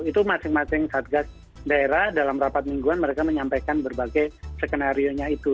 itu masing masing satgas daerah dalam rapat mingguan mereka menyampaikan berbagai skenario nya itu